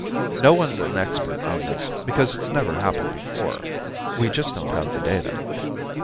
No one's an expert on this, because it's never happened before. We just don't have the data."